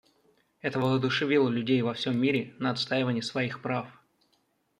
Это воодушевило людей во всем мире на отстаивание своих прав.